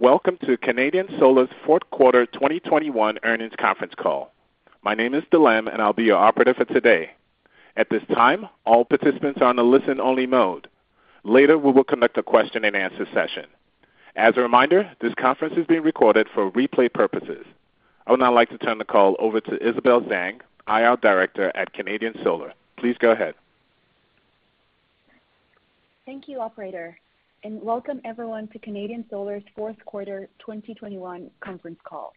Welcome to Canadian Solar's fourth quarter 2021 earnings conference call. My name is Delemm, and I'll be your operator for today. At this time, all participants are on a listen-only mode. Later, we will conduct a question-and-answer session. As a reminder, this conference is being recorded for replay purposes. I would now like to turn the call over to Isabel Zhang, IR director at Canadian Solar. Please go ahead. Thank you, operator, and welcome everyone to Canadian Solar's fourth quarter 2021 conference call.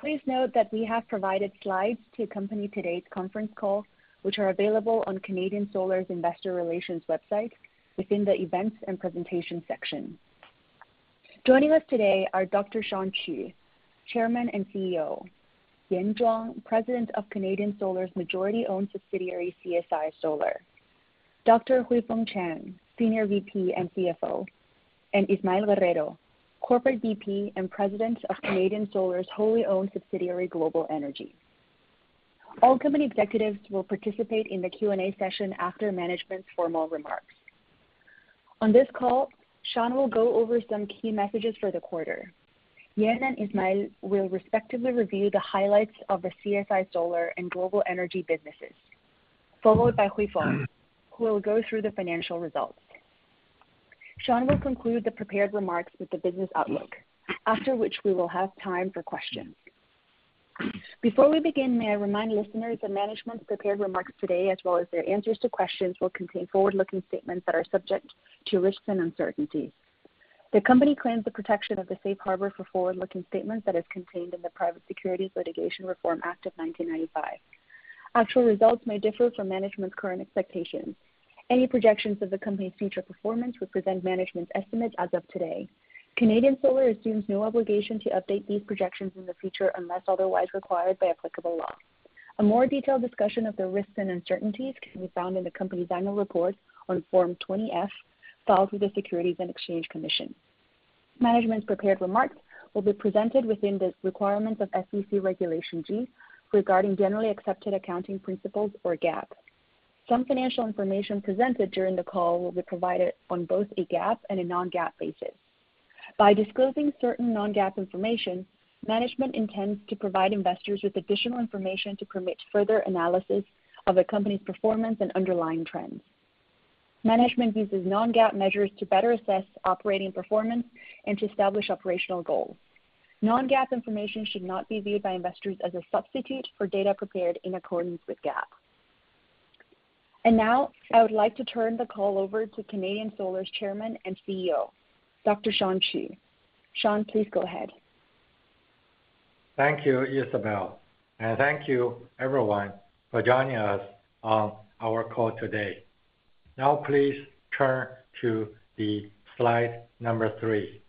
Please note that we have provided slides to accompany today's conference call, which are available on Canadian Solar's investor relations website within the Events and Presentation section. Joining us today are Dr. Shawn Qu, Chairman and CEO, Yan Zhuang, President of Canadian Solar's majority-owned subsidiary, CSI Solar, Dr. Huifeng Chang, Senior VP and CFO, and Ismael Guerrero, Corporate VP and President of Canadian Solar's wholly-owned subsidiary, Global Energy. All company executives will participate in the Q&A session after management's formal remarks. On this call, Shawn will go over some key messages for the quarter. Yan and Ismael will respectively review the highlights of the CSI Solar and Global Energy businesses, followed by Huifeng, who will go through the financial results. Shawn Qu will conclude the prepared remarks with the business outlook, after which we will have time for questions. Before we begin, may I remind listeners that management's prepared remarks today, as well as their answers to questions, will contain forward-looking statements that are subject to risks and uncertainties. The company claims the protection of the Safe Harbor for forward-looking statements that is contained in the Private Securities Litigation Reform Act of 1995. Actual results may differ from management's current expectations. Any projections of the company's future performance represent management's estimates as of today. Canadian Solar assumes no obligation to update these projections in the future unless otherwise required by applicable law. A more detailed discussion of the risks and uncertainties can be found in the company's annual report on Form 20-F filed with the Securities and Exchange Commission. Management's prepared remarks will be presented within the requirements of SEC Regulation G regarding generally accepted accounting principles or GAAP. Some financial information presented during the call will be provided on both a GAAP and a non-GAAP basis. By disclosing certain non-GAAP information, management intends to provide investors with additional information to permit further analysis of the company's performance and underlying trends. Management uses non-GAAP measures to better assess operating performance and to establish operational goals. Non-GAAP information should not be viewed by investors as a substitute for data prepared in accordance with GAAP. Now, I would like to turn the call over to Canadian Solar's Chairman and CEO, Dr. Shawn Qu. Shawn, please go ahead. Thank you, Isabel, and thank you everyone for joining us on our call today. Now please turn to Slide three.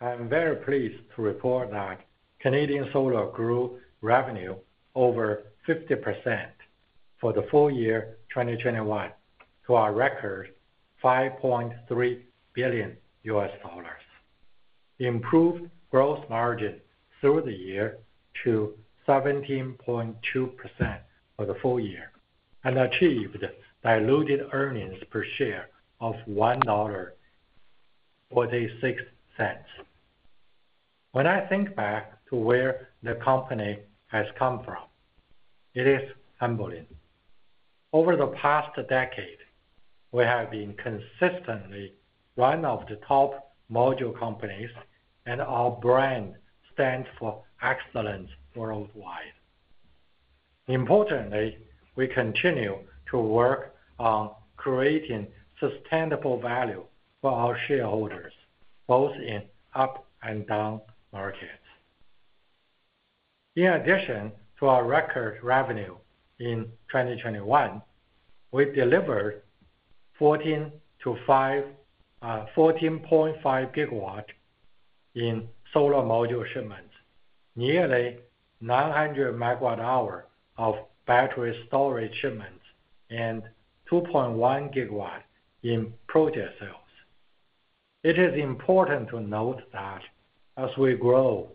I am very pleased to report that Canadian Solar grew revenue over 50% for the full year 2021 to our record $5.3 billion, improved gross margin through the year to 17.2% for the full year, and achieved diluted earnings per share of $1.46. When I think back to where the company has come from, it is humbling. Over the past decade, we have been consistently one of the top module companies, and our brand stands for excellence worldwide. Importantly, we continue to work on creating sustainable value for our shareholders, both in up and down markets. In addition to our record revenue in 2021, we delivered 14.5 GW in solar module shipments, nearly 900 MWh of battery storage shipments, and 2.1 GW in project cells. It is important to note that as we grow,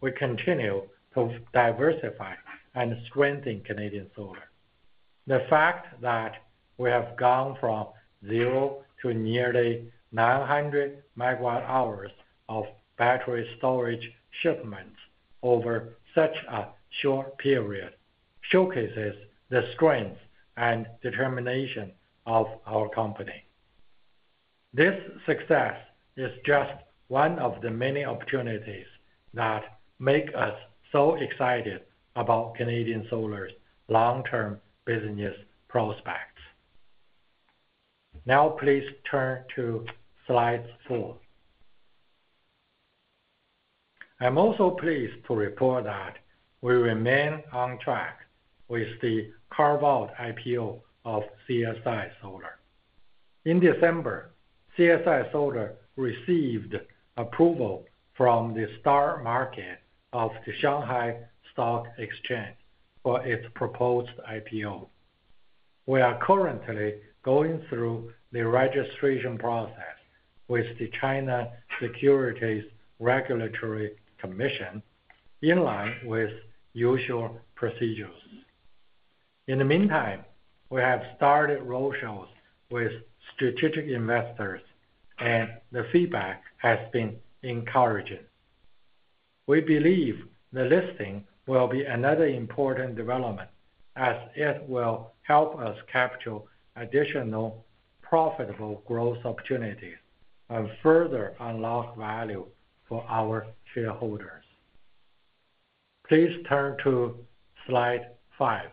we continue to diversify and strengthen Canadian Solar. The fact that we have gone from zero to nearly 900 MWh of battery storage shipments over such a short period showcases the strength and determination of our company. This success is just one of the many opportunities that make us so excited about Canadian Solar's long-term business prospects. Now please turn to Slide four. I'm also pleased to report that we remain on track with the carve-out IPO of CSI Solar. In December, CSI Solar received approval from the STAR Market of the Shanghai Stock Exchange for its proposed IPO. We are currently going through the registration process with the China Securities Regulatory Commission in line with usual procedures. In the meantime, we have started roadshows with strategic investors, and the feedback has been encouraging. We believe the listing will be another important development, as it will help us capture additional profitable growth opportunities and further unlock value for our shareholders. Please turn to Slide five.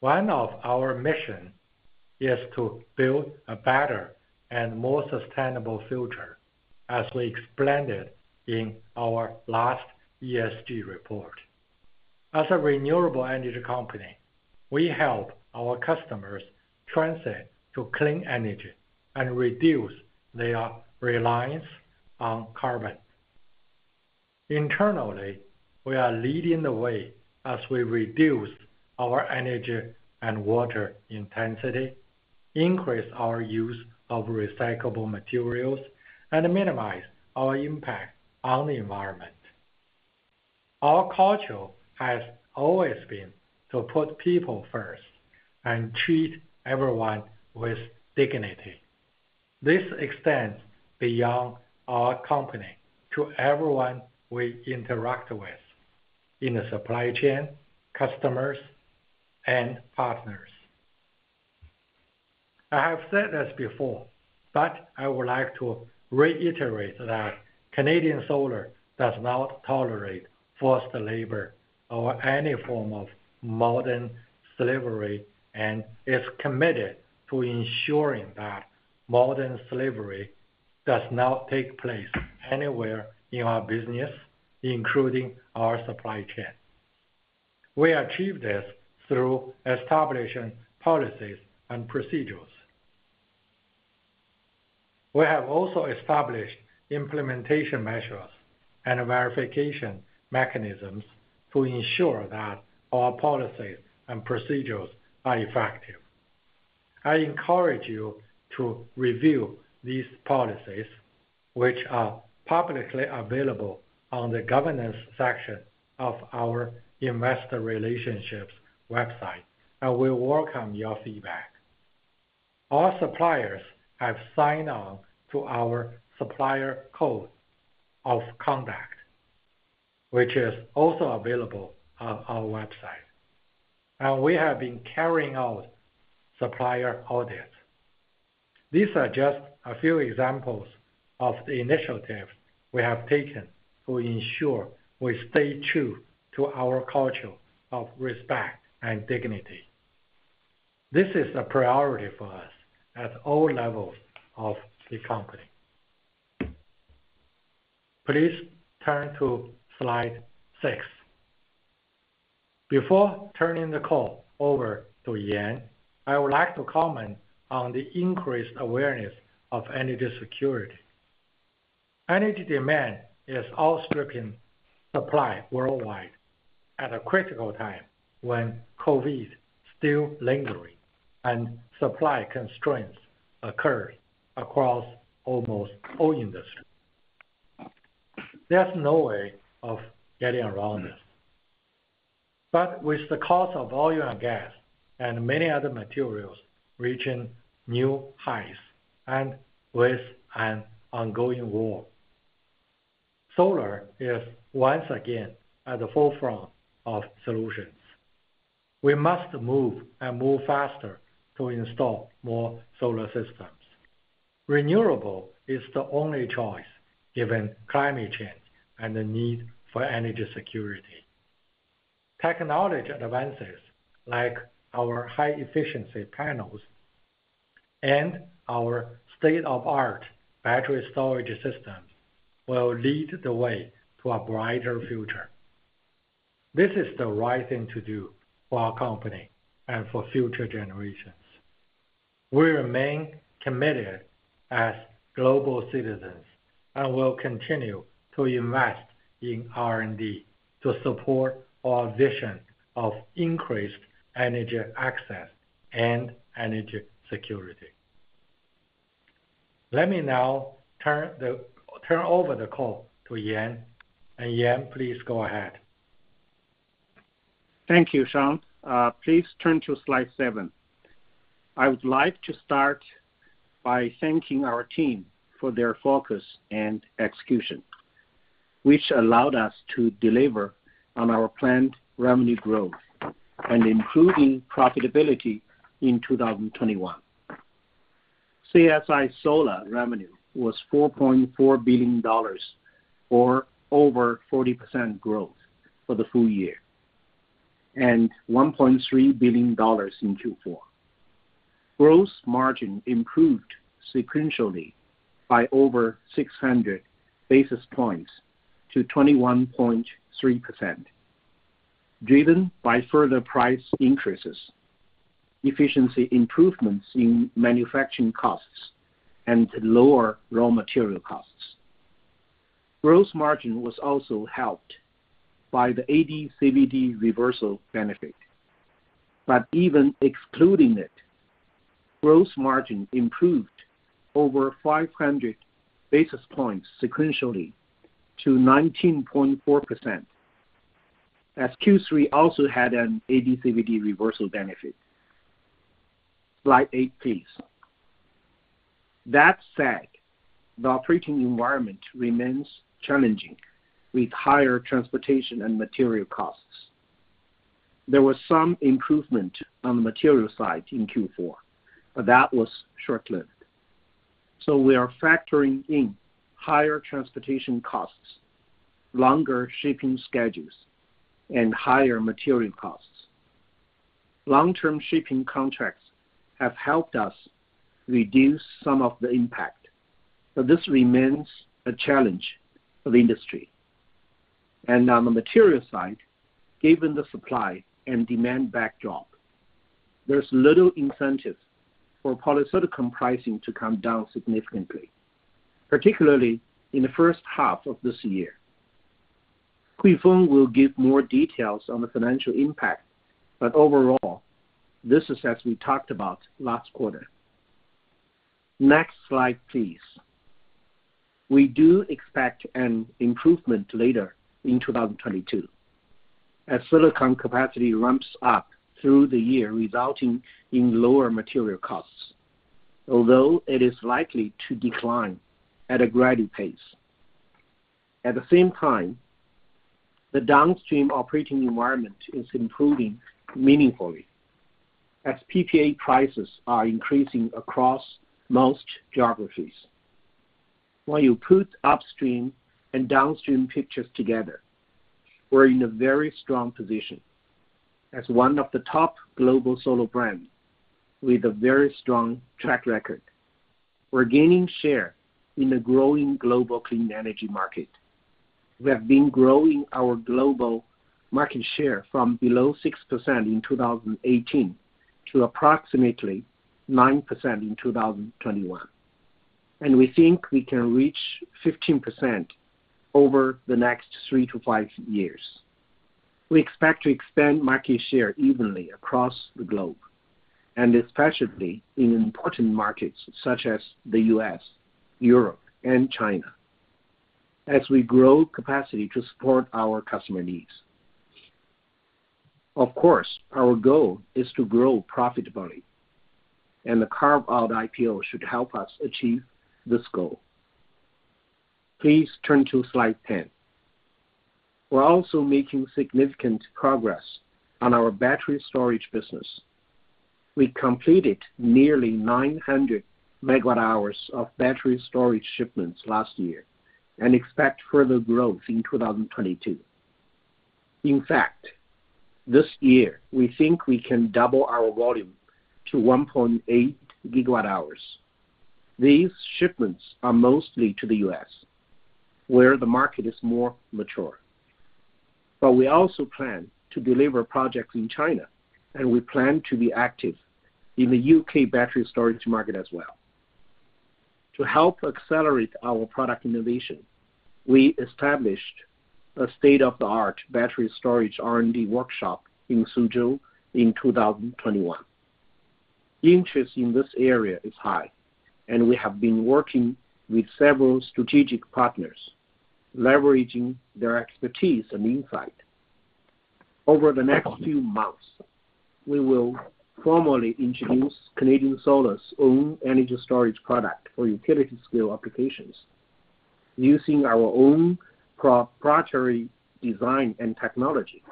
One of our mission is to build a better and more sustainable future, as we explained it in our last ESG report. As a renewable energy company, we help our customers transit to clean energy and reduce their reliance on carbon. Internally, we are leading the way as we reduce our energy and water intensity, increase our use of recyclable materials, and minimize our impact on the environment. Our culture has always been to put people first and treat everyone with dignity. This extends beyond our company to everyone we interact with in the supply chain, customers, and partners. I have said this before, but I would like to reiterate that Canadian Solar does not tolerate forced labor or any form of modern slavery, and is committed to ensuring that modern slavery does not take place anywhere in our business, including our supply chain. We achieve this through establishing policies and procedures. We have also established implementation measures and verification mechanisms to ensure that our policies and procedures are effective. I encourage you to review these policies, which are publicly available on the Governance section of our investor relations website, and we welcome your feedback. Our suppliers have signed on to our supplier code of conduct, which is also available on our website. We have been carrying out supplier audits. These are just a few examples of the initiatives we have taken to ensure we stay true to our culture of respect and dignity. This is a priority for us at all levels of the company. Please turn to Slide six. Before turning the call over to Yan, I would like to comment on the increased awareness of energy security. Energy demand is outstripping supply worldwide at a critical time when COVID still lingering and supply constraints occur across almost all industries. There's no way of getting around this. With the cost of oil and gas and many other materials reaching new highs, and with an ongoing war, solar is once again at the forefront of solutions. We must move and move faster to install more solar systems. Renewable is the only choice given climate change and the need for energy security. Technology advances, like our high-efficiency panels and our state-of-the-art battery storage systems, will lead the way to a brighter future. This is the right thing to do for our company and for future generations. We remain committed as global citizens, and will continue to invest in R&D to support our vision of increased energy access and energy security. Let me now turn over the call to Yan. Yan, please go ahead. Thank you, Shawn. Please turn to Slide seven. I would like to start by thanking our team for their focus and execution, which allowed us to deliver on our planned revenue growth and improving profitability in 2021. CSI Solar revenue was $4.4 billion, or over 40% growth for the full year, and $1.3 billion in Q4. Gross margin improved sequentially by over 600 basis points to 21.3%, driven by further price increases, efficiency improvements in manufacturing costs, and lower raw material costs. Gross margin was also helped by the AD/CVD reversal benefit. Even excluding it, gross margin improved over 500 basis points sequentially to 19.4%, as Q3 also had an AD/CVD reversal benefit. Slide eight, please. That said, the operating environment remains challenging with higher transportation and material costs. There was some improvement on the material side in Q4, but that was short-lived. We are factoring in higher transportation costs, longer shipping schedules, and higher material costs. Long-term shipping contracts have helped us reduce some of the impact, but this remains a challenge for the industry. On the material side, given the supply and demand backdrop, there's little incentive for polysilicon pricing to come down significantly, particularly in the first half of this year. Huifeng will give more details on the financial impact, but overall, this is as we talked about last quarter. Next slide, please. We do expect an improvement later in 2022 as silicon capacity ramps up through the year, resulting in lower material costs, although it is likely to decline at a gradual pace. At the same time, the downstream operating environment is improving meaningfully as PPA prices are increasing across most geographies. When you put upstream and downstream pictures together, we're in a very strong position as one of the top global solar brands with a very strong track record. We're gaining share in a growing global clean energy market. We have been growing our global market share from below 6% in 2018 to approximately 9% in 2021, and we think we can reach 15% over the next three to five years. We expect to expand market share evenly across the globe, and especially in important markets such as the U.S., Europe, and China, as we grow capacity to support our customer needs. Of course, our goal is to grow profitability, and the carve-out IPO should help us achieve this goal. Please turn to Slide 10. We're also making significant progress on our battery storage business. We completed nearly 900 MWh of battery storage shipments last year and expect further growth in 2022. In fact, this year we think we can double our volume to 1.8 GWh. These shipments are mostly to the U.S., where the market is more mature. We also plan to deliver projects in China, and we plan to be active in the U.K. battery storage market as well. To help accelerate our product innovation, we established a state-of-the-art battery storage R&D workshop in Suzhou in 2021. Interest in this area is high, and we have been working with several strategic partners, leveraging their expertise and insight. Over the next few months, we will formally introduce Canadian Solar's own energy storage product for utility scale applications using our own proprietary design and technology.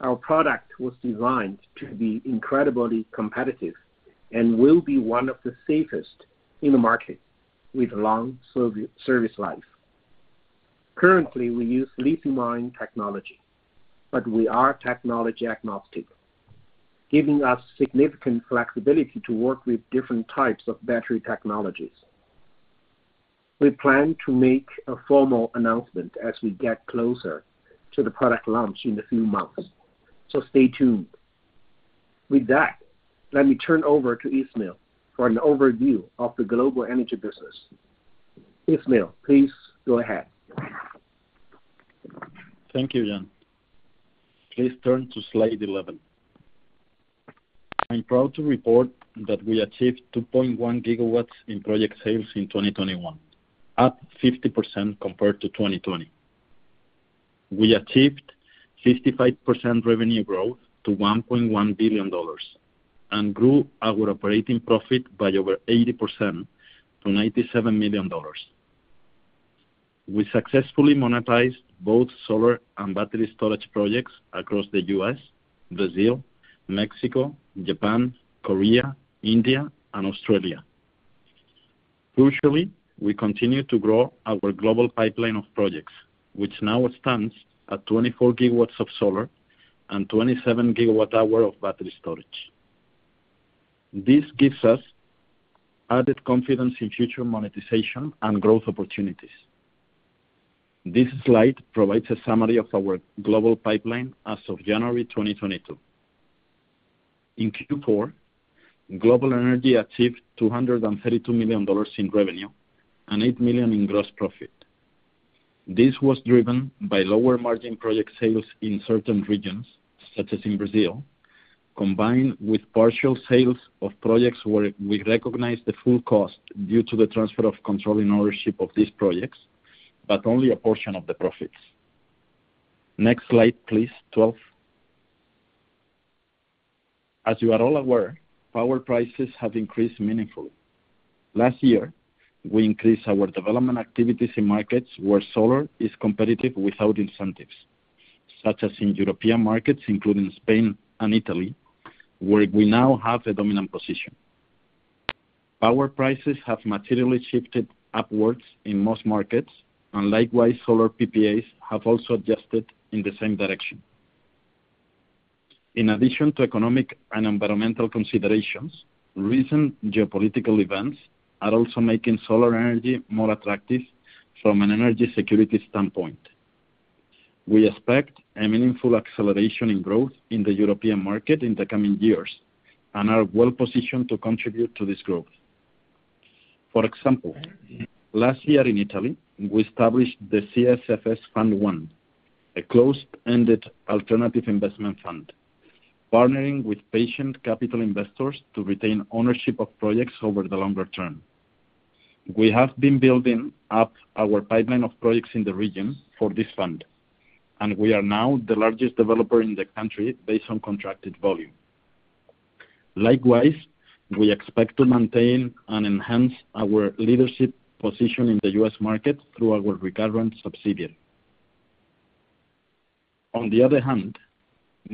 Our product was designed to be incredibly competitive and will be one of the safest in the market with long service life. Currently, we use lithium ion technology, but we are technology agnostic, giving us significant flexibility to work with different types of battery technologies. We plan to make a formal announcement as we get closer to the product launch in a few months, so stay tuned. With that, let me turn over to Ismael for an overview of the global energy business. Ismael, please go ahead. Thank you, Yan. Please turn to Slide 11. I'm proud to report that we achieved 2.1 GW in project sales in 2021, up 50% compared to 2020. We achieved 55% revenue growth to $1.1 billion and grew our operating profit by over 80% to $97 million. We successfully monetized both solar and battery storage projects across the U.S., Brazil, Mexico, Japan, Korea, India, and Australia. Crucially, we continue to grow our global pipeline of projects, which now stands at 24 GW of solar and 27 GWh of battery storage. This gives us added confidence in future monetization and growth opportunities. This slide provides a summary of our global pipeline as of January 2022. In Q4, Global Energy achieved $232 million in revenue and $8 million in gross profit. This was driven by lower margin project sales in certain regions, such as in Brazil, combined with partial sales of projects where we recognize the full cost due to the transfer of control and ownership of these projects, but only a portion of the profits. Next slide, please, 12. As you are all aware, power prices have increased meaningfully. Last year, we increased our development activities in markets where solar is competitive without incentives, such as in European markets, including Spain and Italy, where we now have a dominant position. Power prices have materially shifted upwards in most markets, and likewise, solar PPAs have also adjusted in the same direction. In addition to economic and environmental considerations, recent geopolitical events are also making solar energy more attractive from an energy security standpoint. We expect a meaningful acceleration in growth in the European market in the coming years and are well-positioned to contribute to this growth. For example, last year in Italy, we established the CSFS Fund I, a closed-ended alternative investment fund, partnering with patient capital investors to retain ownership of projects over the longer term. We have been building up our pipeline of projects in the region for this fund, and we are now the largest developer in the country based on contracted volume. Likewise, we expect to maintain and enhance our leadership position in the US market through our Recurrent Energy subsidiary. On the other hand,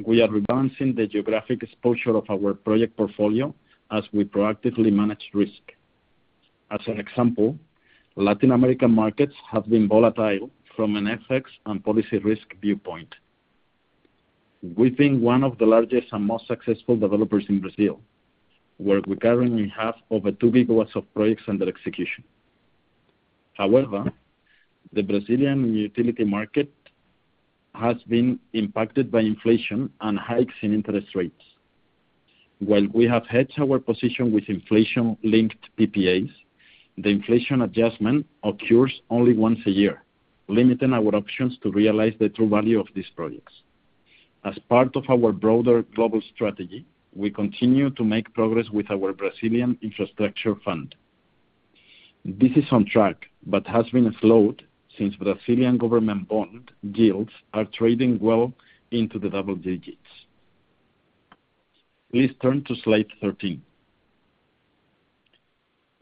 we are rebalancing the geographic exposure of our project portfolio as we proactively manage risk. As an example, Latin American markets have been volatile from an FX and policy risk viewpoint. We've been one of the largest and most successful developers in Brazil, where we currently have over 2 GW of projects under execution. However, the Brazilian utility market has been impacted by inflation and hikes in interest rates. While we have hedged our position with inflation-linked PPAs, the inflation adjustment occurs only once a year, limiting our options to realize the true value of these projects. As part of our broader global strategy, we continue to make progress with our Brazilian infrastructure fund. This is on track, but has been slowed since Brazilian government bond yields are trading well into the double digits. Please turn to Slide 13.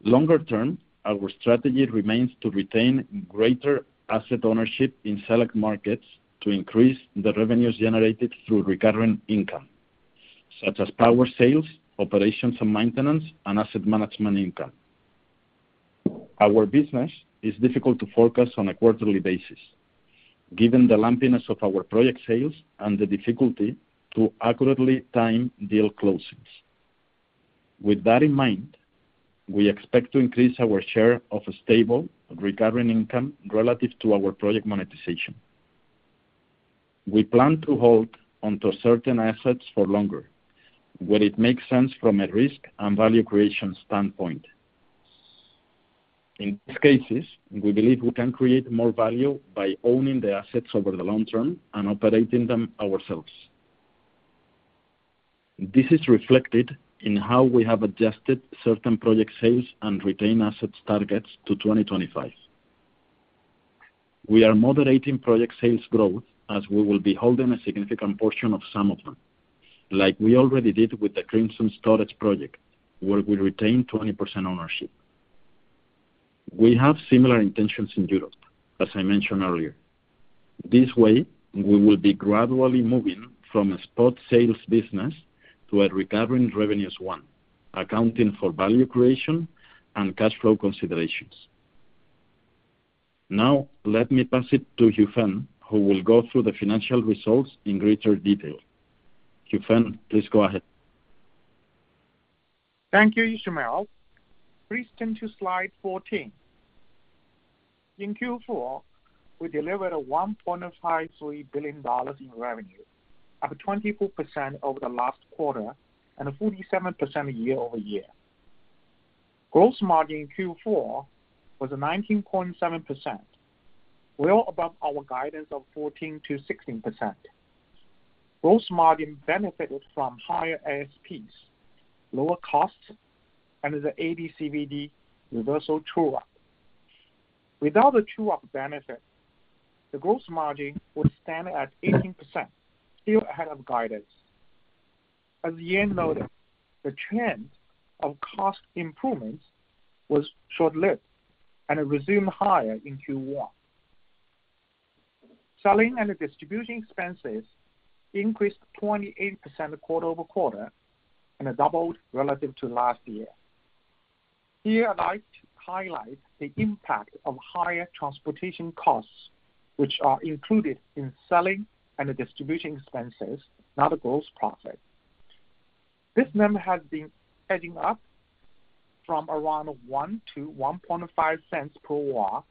Longer term, our strategy remains to retain greater asset ownership in select markets to increase the revenues generated through recurring income, such as power sales, operations and maintenance, and asset management income. Our business is difficult to focus on a quarterly basis, given the lumpiness of our project sales and the difficulty to accurately time deal closings. With that in mind, we expect to increase our share of a stable recurring income relative to our project monetization. We plan to hold onto certain assets for longer, when it makes sense from a risk and value creation standpoint. In these cases, we believe we can create more value by owning the assets over the long term and operating them ourselves. This is reflected in how we have adjusted certain project sales and retain assets targets to 2025. We are moderating project sales growth as we will be holding a significant portion of some of them, like we already did with the Crimson Storage project, where we retained 20% ownership. We have similar intentions in Europe, as I mentioned earlier. This way, we will be gradually moving from a spot sales business to a recurring revenues one, accounting for value creation and cash flow considerations. Now, let me pass it to Huifeng, who will go through the financial results in greater detail. Huifeng, please go ahead. Thank you, Ismael. Please turn to Slide 14. In Q4, we delivered $1.53 billion in revenue, up 24% over the last quarter and 47% year-over-year. Gross margin in Q4 was 19.7%, well above our guidance of 14%-16%. Gross margin benefited from higher ASPs, lower costs, and the AD/CVD reversal true-up. Without the true-up benefit, the gross margin would stand at 18%, still ahead of guidance. As you know, the trend of cost improvements was short-lived and resumed higher in Q1. Selling and distribution expenses increased 28% quarter-over-quarter and doubled relative to last year. Here, I'd like to highlight the impact of higher transportation costs, which are included in selling and distribution expenses, not a gross profit. This number has been heading up from around $0.01-$0.015 per watt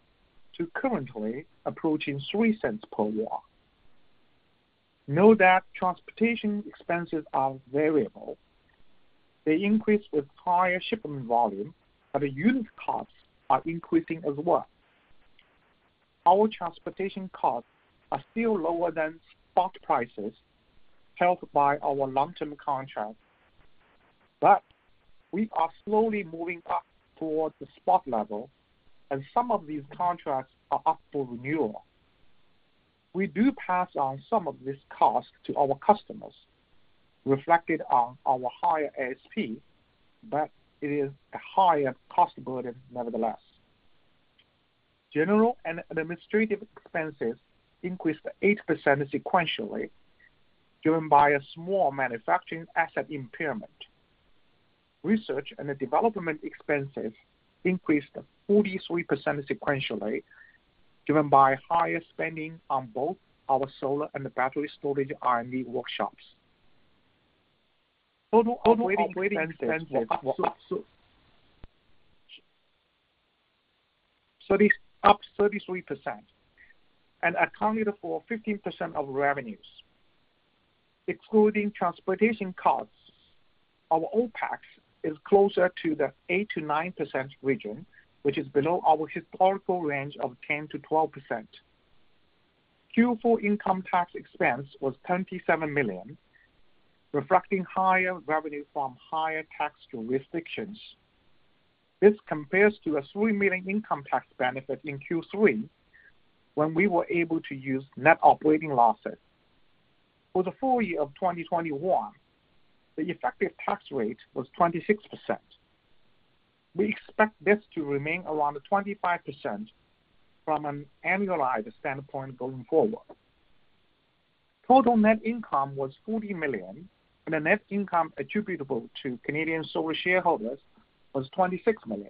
to currently approaching $0.03 per watt. Note that transportation expenses are variable. They increase with higher shipment volume, but the unit costs are increasing as well. Our transportation costs are still lower than spot prices held by our long-term contract. We are slowly moving up towards the spot level, and some of these contracts are up for renewal. We do pass on some of this cost to our customers, reflected on our higher ASP, but it is a higher cost burden nevertheless. General and administrative expenses increased 8% sequentially, driven by a small manufacturing asset impairment. Research and development expenses increased 43% sequentially, driven by higher spending on both our solar and battery storage R&D workshops. Total operating expenses was up 33% and accounted for 15% of revenues. Excluding transportation costs, our OpEx is closer to the 8%-9% region, which is below our historical range of 10%-12%. Q4 income tax expense was $27 million, reflecting higher revenue from higher tax jurisdictions. This compares to a $3 million income tax benefit in Q3, when we were able to use net operating losses. For the full year of 2021, the effective tax rate was 26%. We expect this to remain around 25% from an annualized standpoint going forward. Total net income was $40 million, and the net income attributable to Canadian Solar shareholders was $26 million.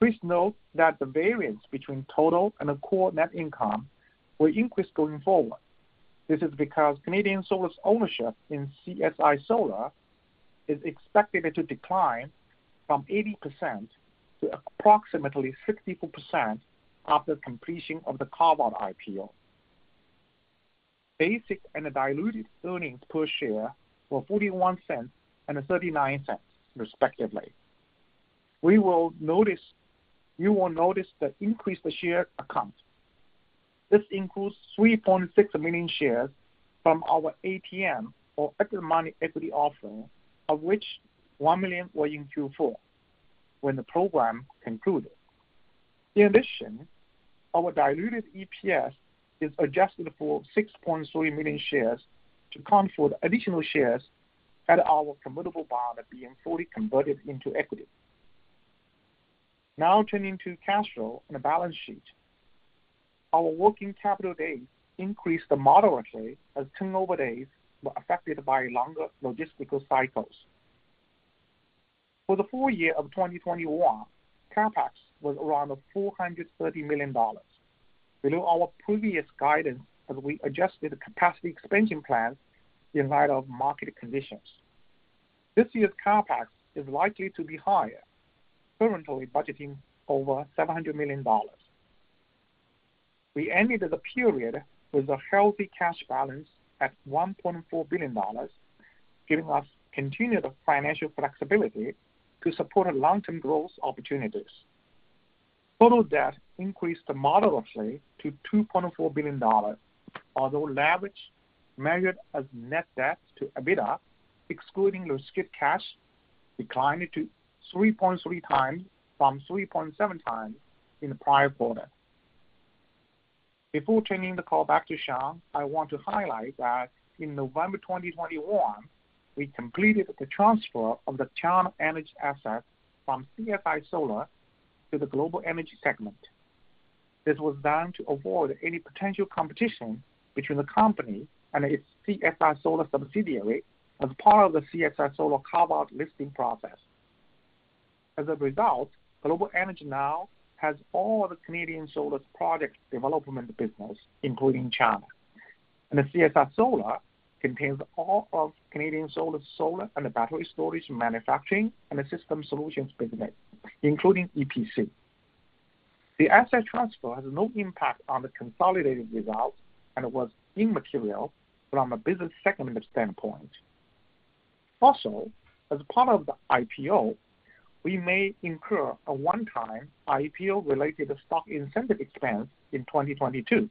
Please note that the variance between total and core net income will increase going forward. This is because Canadian Solar's ownership in CSI Solar is expected to decline from 80% to approximately 64% after completion of the carve-out IPO. Basic and diluted earnings per share were $0.41 and $0.39, respectively. You will notice the increase in the share count. This includes 3.6 million shares from our ATM or at-the-market equity offering, of which 1 million were in Q4 when the program concluded. In addition, our diluted EPS is adjusted for 6.3 million shares to account for the additional shares at our convertible bond being fully converted into equity. Now turning to cash flow and the balance sheet. Our working capital days increased moderately as turnover days were affected by longer logistical cycles. For the full year of 2021, CapEx was around $430 million, below our previous guidance as we adjusted capacity expansion plans in light of market conditions. This year's CapEx is likely to be higher, currently budgeting over $700 million. We ended the period with a healthy cash balance at $1.4 billion, giving us continued financial flexibility to support long-term growth opportunities. Total debt increased moderately to $2.4 billion, although leverage measured as net debt to EBITDA, excluding restricted cash, declined to 3.3x from 3.7x in the prior quarter. Before turning the call back to Shawn, I want to highlight that in November 2021, we completed the transfer of the China Energy assets from CSI Solar to the Global Energy segment. This was done to avoid any potential competition between the company and its CSI Solar subsidiary as part of the CSI Solar carve-out listing process. As a result, Global Energy now has all the Canadian Solar's product development business, including China. CSI Solar contains all of Canadian Solar's solar and battery storage manufacturing and system solutions business, including EPC. The asset transfer has no impact on the consolidated results and was immaterial from a business segment standpoint. Also, as part of the IPO, we may incur a one-time IPO-related stock incentive expense in 2022,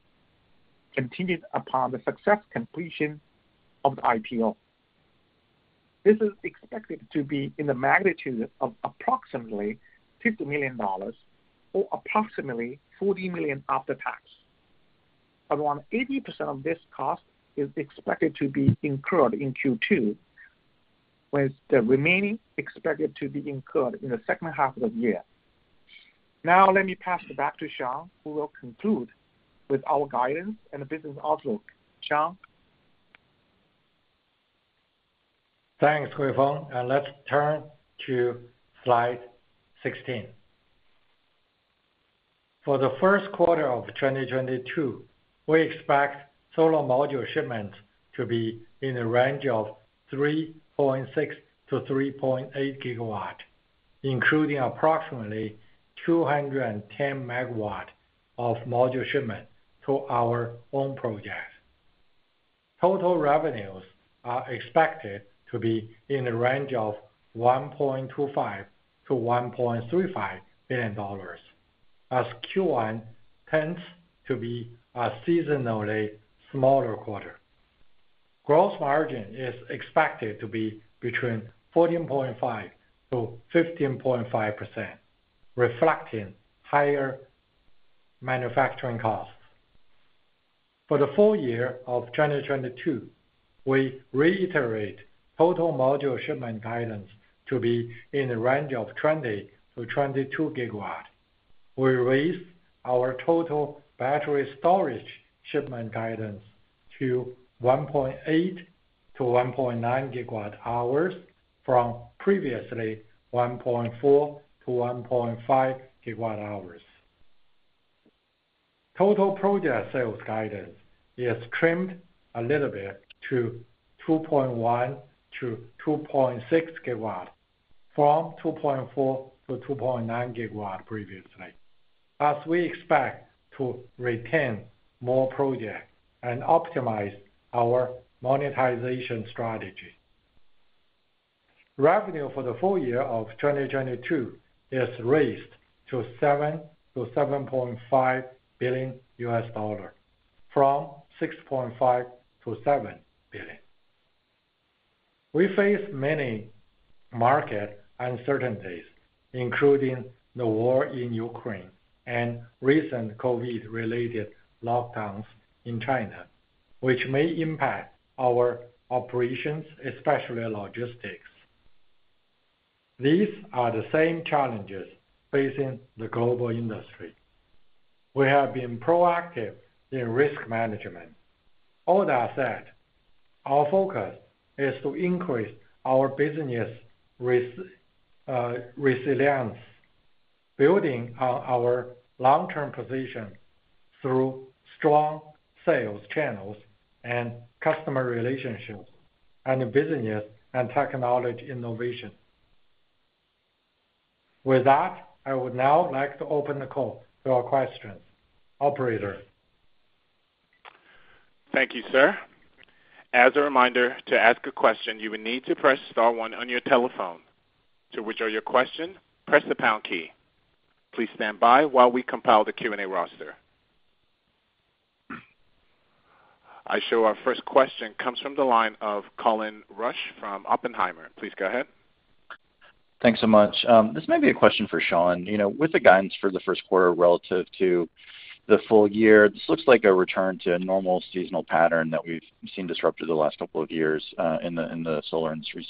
contingent upon the successful completion of the IPO. This is expected to be in the magnitude of approximately $50 million or approximately $40 million after tax. Around 80% of this cost is expected to be incurred in Q2, with the remaining expected to be incurred in the second half of the year. Now let me pass it back to Shawn, who will conclude with our guidance and business outlook. Shawn? Thanks, Huifeng. Let's turn to Slide 16. For the first quarter of 2022, we expect solar module shipments to be in the range of 3.6 GW-3.8 GW, including approximately 210 MW of module shipment to our own projects. Total revenues are expected to be in the range of $1.25 billion-$1.35 billion, as Q1 tends to be a seasonally smaller quarter. Gross margin is expected to be between 14.5%-15.5%, reflecting higher manufacturing costs. For the full year of 2022, we reiterate total module shipment guidance to be in the range of 20 GW-22 GW. We raise our total battery storage shipment guidance to 1.8 GWh-1.9 GWh from previously 1.4 GWh-1.5 GWh. Total project sales guidance is trimmed a little bit to 2.1 GW-2.6 GW from 2.4 GW-2.9 GW previously, as we expect to retain more projects and optimize our monetization strategy. Revenue for the full year 2022 is raised to $7 billion-$7.5 billion from $6.5 billion-$7 billion. We face many market uncertainties, including the war in Ukraine and recent COVID-related lockdowns in China, which may impact our operations, especially logistics. These are the same challenges facing the global industry. We have been proactive in risk management. All that said, our focus is to increase our business resilience, building on our long-term position through strong sales channels and customer relationships and business and technology innovation. With that, I would now like to open the call to our questions. Operator? Thank you, sir. As a reminder, to ask a question, you will need to press star one on your telephone. To withdraw your question, press the pound key. Please stand by while we compile the Q&A roster. Our first question comes from the line of Colin Rusch from Oppenheimer. Please go ahead. Thanks so much. This may be a question for Shawn. You know, with the guidance for the first quarter relative to the full year, this looks like a return to a normal seasonal pattern that we've seen disrupted the last couple of years in the solar industry.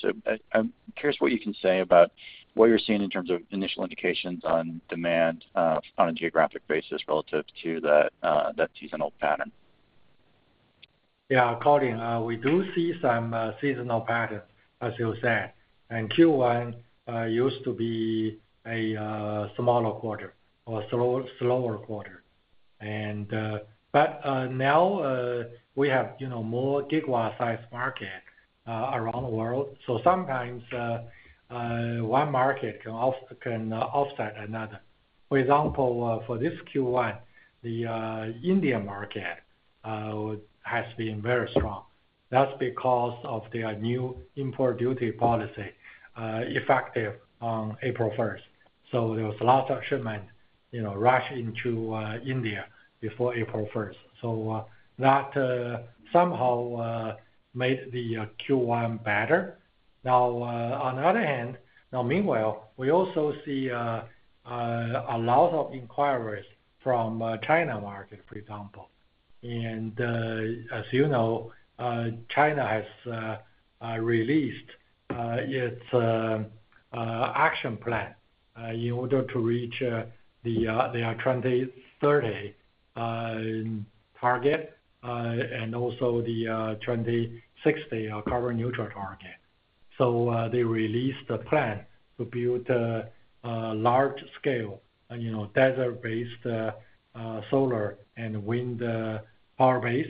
I'm curious what you can say about what you're seeing in terms of initial indications on demand on a geographic basis relative to that seasonal pattern. Yeah, Colin, we do see some seasonal patterns, as you said. Q1 used to be a smaller quarter or slower quarter. Now we have, you know, more gigawatt sized market around the world. Sometimes one market can offset another. For example, for this Q1, the India market has been very strong. That's because of their new import duty policy effective on 1st April. There was lots of shipment, you know, rushed into India before 1st April. That somehow made the Q1 better. Now, on the other hand, meanwhile, we also see a lot of inquiries from China market, for example. As you know, China has released its action plan in order to reach their 2030 target and also the 2060 carbon neutral target. They released the plan to build a large-scale, you know, desert-based solar and wind power base.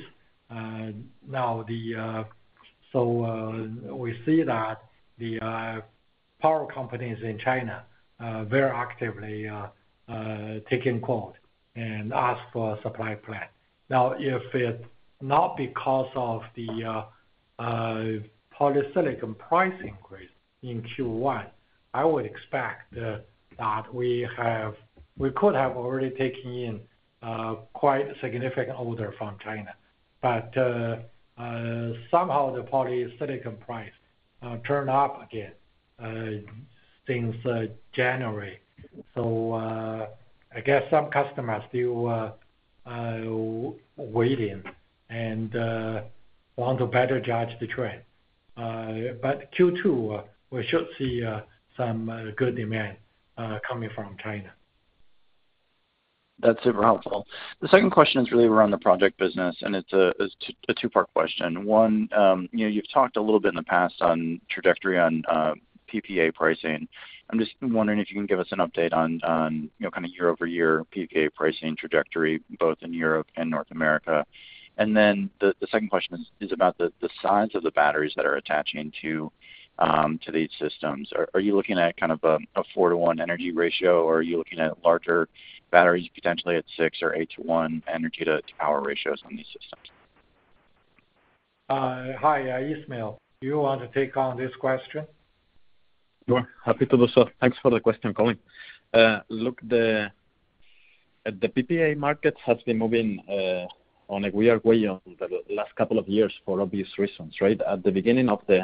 We see that the power companies in China are very actively taking quotes and asking for supply plans. Now, if it's not because of the polysilicon price increase in Q1, I would expect that we could have already taken in quite a significant order from China. Somehow the polysilicon price turned up again since January. I guess some customers still waiting and want to better judge the trend. Q2, we should see some good demand coming from China. That's super helpful. The second question is really around the project business, and it's a two-part question. One, you know, you've talked a little bit in the past on trajectory on PPA pricing. I'm just wondering if you can give us an update on, you know, kind of year-over-year PPA pricing trajectory, both in Europe and North America. Then the second question is about the size of the batteries that are attaching to these systems. Are you looking at kind of a 4-to-1 energy ratio, or are you looking at larger batteries potentially at 6 or 8 to 1 energy to power ratios on these systems? Ismael, do you want to take on this question? Sure. Happy to do so. Thanks for the question, Colin. Look, the PPA market has been moving in a weird way over the last couple of years for obvious reasons, right? At the beginning of the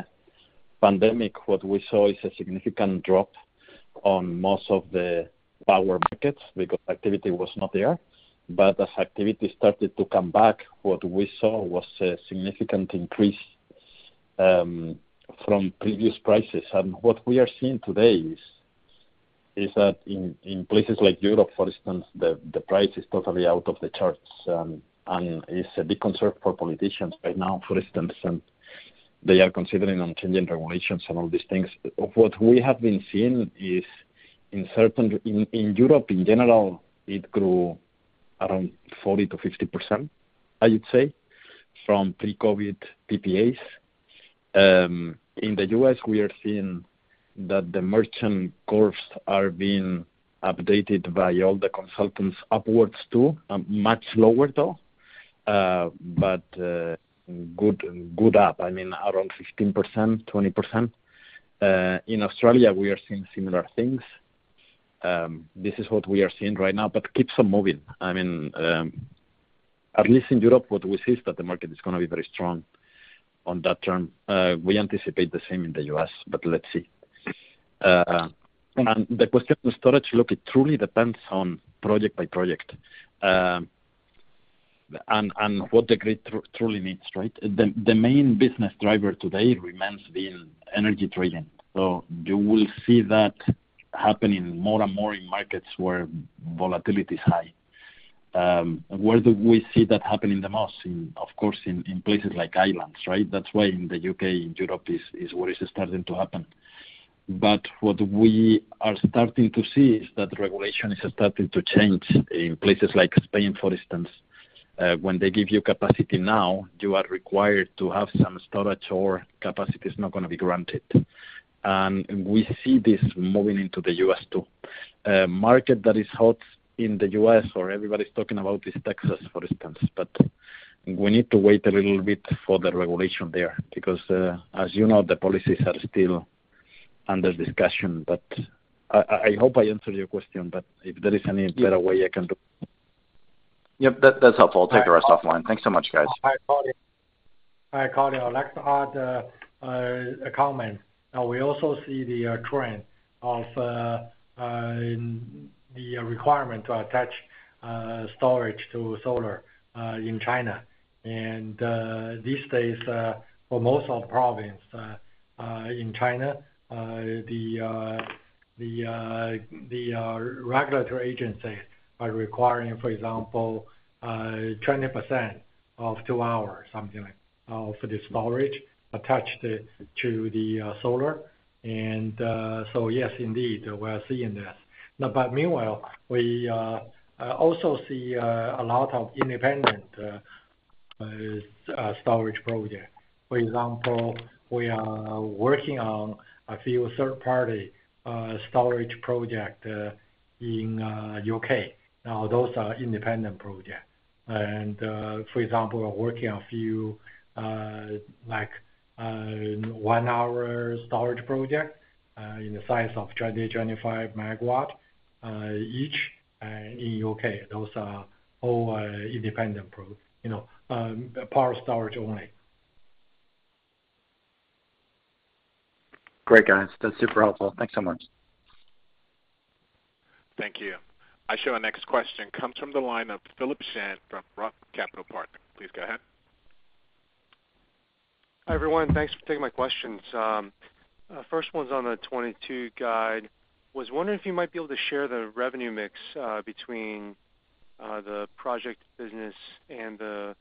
pandemic, what we saw is a significant drop in most of the power markets because activity was not there. As activity started to come back, what we saw was a significant increase from previous prices. What we are seeing today is that in places like Europe, for instance, the price is totally out of the charts, and it's a big concern for politicians right now, for instance, and they are considering changing regulations and all these things. What we have been seeing is in Europe in general, it grew around 40%-50%, I would say, from pre-COVID PPAs. In the U.S., we are seeing that the merchant curves are being updated by all the consultants upwards too, much lower though, but good up, I mean, around 15%-20%. In Australia, we are seeing similar things. This is what we are seeing right now, but it keeps on moving. I mean, at least in Europe, what we see is that the market is gonna be very strong on that term. We anticipate the same in the U.S., but let's see. The question of storage, look, it truly depends on project by project, and what the grid truly needs, right? The main business driver today remains being energy trading. You will see that happening more and more in markets where volatility is high. Where do we see that happening the most? Of course, in places like islands, right? That's why in the U.K., in Europe, is where it's starting to happen. What we are starting to see is that regulation is starting to change in places like Spain, for instance. When they give you capacity now, you are required to have some storage or capacity is not gonna be granted. We see this moving into the U.S. too. Market that is hot in the U.S. or everybody's talking about is Texas, for instance. We need to wait a little bit for the regulation there because, as you know, the policies are still under discussion. I hope I answered your question, but if there is any better way I can do- Yep, that's helpful. I'll take the rest offline. Thanks so much, guys. Hi, Colin. I'd like to add a comment. Now, we also see the trend in the requirement to attach storage to solar in China. These days, for most provinces in China, the regulatory agencies are requiring, for example, 20% of two hours, something like, for the storage attached to the solar. So yes, indeed, we are seeing this. Now, meanwhile, we also see a lot of independent storage projects. For example, we are working on a few third-party storage projects in the U.K. Now, those are independent projects. For example, we're working on a few, like, one-hour storage project in the size of 20 MW, 25 MW each in U.K. Those are all independent, you know, power storage only. Great, guys. That's super helpful. Thanks so much. Thank you. Our next question comes from the line of Philip Shen from Roth Capital Partners. Please go ahead. Hi, everyone. Thanks for taking my questions. First one's on the 2022 guide. Was wondering if you might be able to share the revenue mix between the project business and the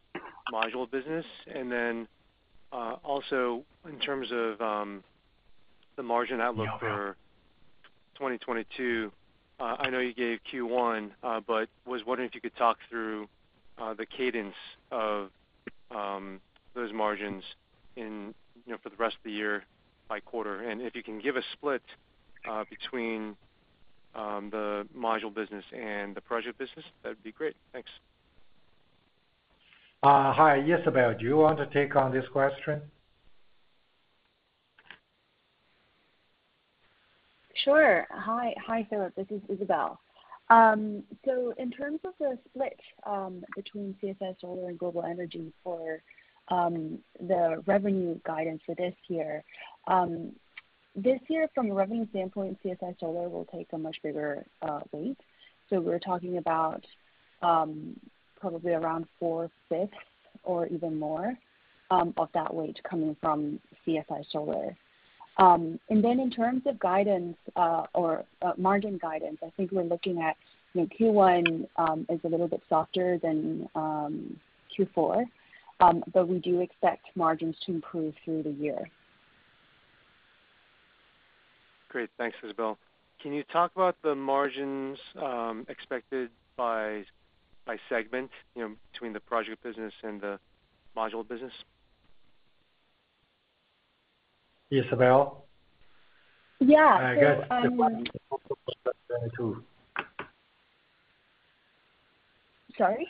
module business. Then also in terms of the margin outlook for 2022, I know you gave Q1, but was wondering if you could talk through the cadence of those margins in, you know, for the rest of the year by quarter. If you can give a split between the module business and the project business, that'd be great. Thanks. Hi. Isabel, do you want to take on this question? Sure. Hi. Hi, Philip Shen, this is Isabel. In terms of the split between CSI Solar and Global Energy for the revenue guidance for this year, from a revenue standpoint, CSI Solar will take a much bigger weight. We're talking about probably around four-fifths or even more of that weight coming from CSI Solar. In terms of guidance or margin guidance, I think we're looking at, you know, Q1 is a little bit softer than Q4, but we do expect margins to improve through the year. Great. Thanks, Isabel. Can you talk about the margins expected by segment, you know, between the project business and the module business? Isabel? Yeah. I guess. Sorry?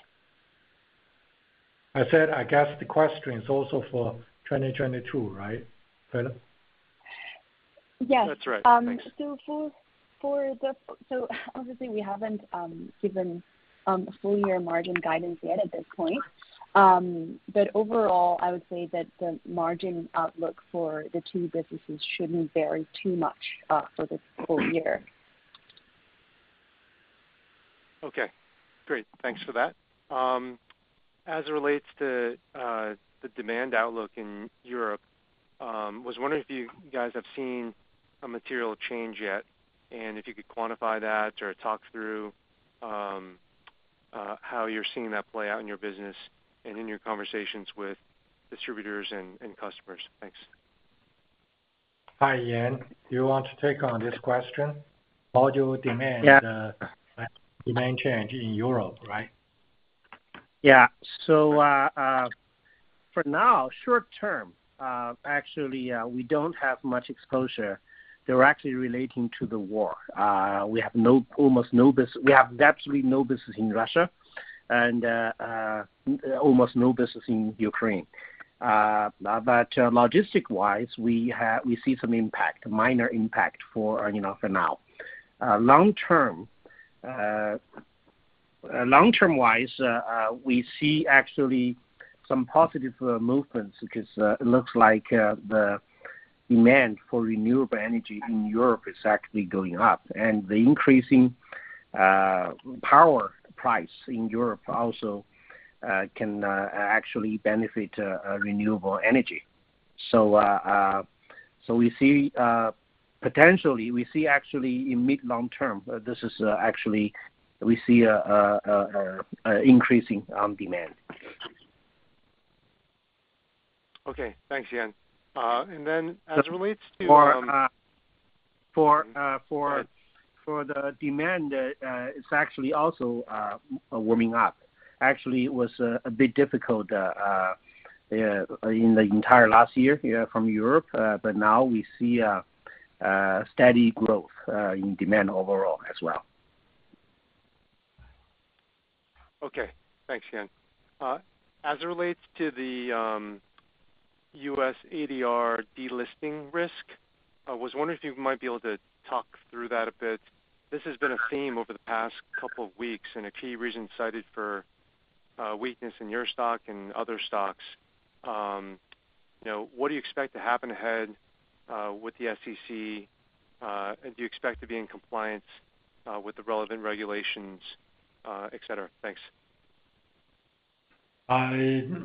I said, I guess the question is also for 2022, right? Philip? Yes. That's right. Thanks. Obviously we haven't given full year margin guidance yet at this point. Overall, I would say that the margin outlook for the two businesses shouldn't vary too much for the full year. Okay, great. Thanks for that. As it relates to the demand outlook in Europe, was wondering if you guys have seen a material change yet, and if you could quantify that or talk through how you're seeing that play out in your business and in your conversations with distributors and customers. Thanks. Hi, Yan. Do you want to take on this question? Module demand, Yeah. Demand change in Europe, right? For now, short term, actually, we don't have much exposure directly relating to the war. We have almost no business in Russia and almost no business in Ukraine. Logistics-wise, we see some impact, minor impact for, you know, for now. Long term wise, we see actually some positive movements because it looks like the demand for renewable energy in Europe is actually going up. The increasing power price in Europe also can actually benefit renewable energy. We see potentially we see actually in mid long term, this is actually we see an increasing demand. Okay. Thanks, Yan. As it relates to, For the demand, it's actually also warming up. Actually, it was a bit difficult in the entire last year, yeah, from Europe. Now we see a steady growth in demand overall as well. Okay, thanks Yan. As it relates to the U.S. ADR delisting risk, I was wondering if you might be able to talk through that a bit. This has been a theme over the past couple of weeks, and a key reason cited for weakness in your stock and other stocks. You know, what do you expect to happen ahead with the SEC? Do you expect to be in compliance with the relevant regulations, et cetera? Thanks.